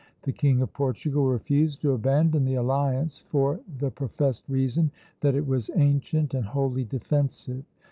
The King of Portugal refused to abandon the alliance, for the professed reason that it was ancient and wholly defensive.